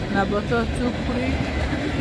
نباتات څوک خوري